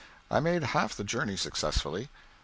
I made half the journey successfully.